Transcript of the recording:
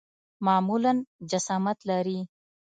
معمولاً جسامت لري.